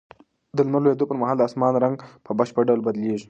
د لمر لوېدو پر مهال د اسمان رنګ په بشپړ ډول بدلېږي.